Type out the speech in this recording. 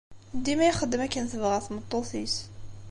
Dima ixeddem akken tebɣa tmeṭṭut-is.